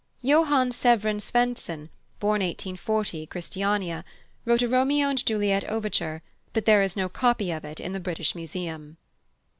+Johann Severin Svendsen+, born 1840, Christiania, wrote a Romeo and Juliet overture, but there is no copy of it in the British Museum.